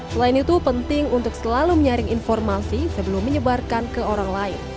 selain itu penting untuk selalu menyaring informasi sebelum menyebarkan ke orang lain